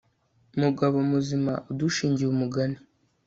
mugabo muzima udushingiye umugani